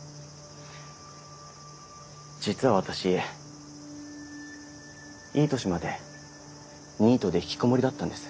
実は私いい年までニートで引きこもりだったんです。